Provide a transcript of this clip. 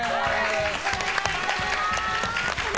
よろしくお願いします。